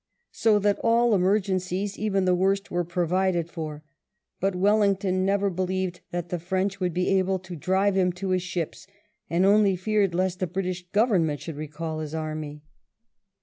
So that all emer gencies, even the worst, were provided for; but Wellington ne^er believed that the French would be able to drive him to his ships, and only feared lest the British Government should recall his army.